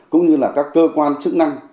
cũng như là các cơ quan chức năng